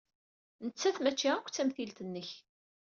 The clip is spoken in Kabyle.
Nettat maci akk d tamtilt-nnek.